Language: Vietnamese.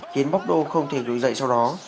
khiến bordeaux không thể đổi dậy sau đó